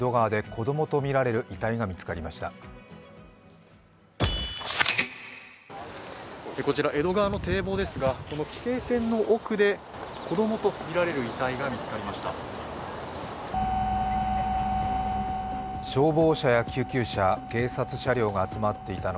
こちら、江戸川の堤防ですが、この規制線の奥で子供とみられる遺体が見つかりました。